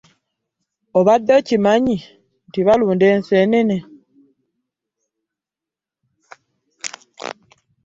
Obadde okimanyi nti balunda ensenene ?